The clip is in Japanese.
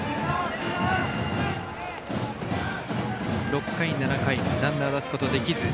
６回、７回ランナー出すことができず。